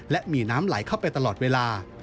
และมีน้ำไหลเข้าไปตลอดเวลา